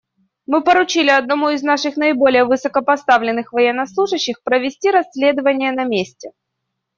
Мы поручили одному из наших наиболее высокопоставленных военнослужащих провести расследование на месте.